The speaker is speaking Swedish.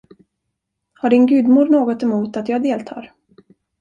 Har din gudmor något emot att jag deltar?